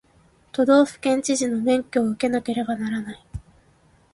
都道府県知事の免許を受けなければならない